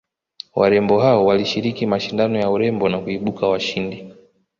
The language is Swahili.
warembo hao walishiriki mashindano ya urembo na kuibuka washindi